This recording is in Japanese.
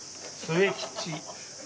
末吉。